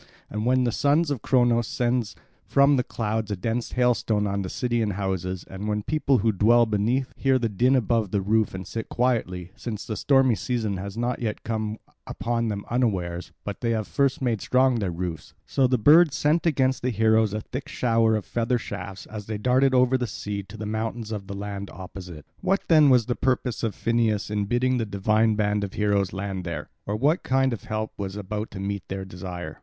And as when the son of Cronos sends from the clouds a dense hailstorm on city and houses, and the people who dwell beneath hear the din above the roof and sit quietly, since the stormy season has not come upon them unawares, but they have first made strong their roofs; so the birds sent against the heroes a thick shower of feather shafts as they darted over the sea to the mountains of the land opposite. What then was the purpose of Phineus in bidding the divine band of heroes land there? Or what kind of help was about to meet their desire?